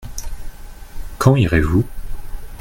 Quand irez-vous ?